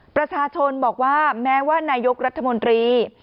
ประชาชนบอกว่าแม้ว่านายกรัฐมนตรี